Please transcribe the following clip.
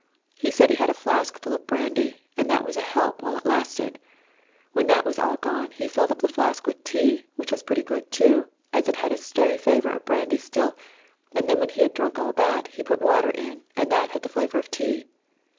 He said he had a flask full of brandy, and that was a help while it lasted. When that was all gone he filled up the flask with tea, which was pretty good, too, as it had a stray flavour of brandy still, and then when he had drunk all that he put 36 A SERBIAN AMBULANCE water in, and that had the flavour of tea